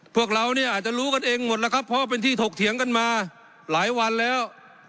พวกเราเนี่ยอาจจะรู้กันเองหมดแล้วครับเพราะเป็นที่ถกเถียงกันมาหลายวันแล้ว